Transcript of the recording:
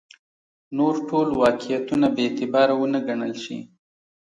نور ټول واقعیتونه بې اعتباره ونه ګڼل شي.